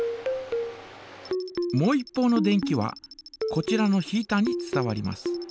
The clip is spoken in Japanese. もう一方の電気はこちらのヒータに伝わります。